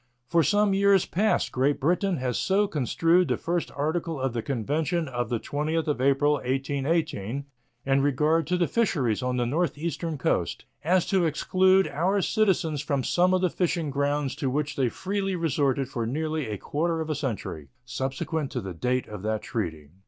For some years past Great Britain has so construed the first article of the convention of the 20th of April, 1818, in regard to the fisheries on the northeastern coast, as to exclude our citizens from some of the fishing grounds to which they freely resorted for nearly a quarter of a century subsequent to the date of that treaty.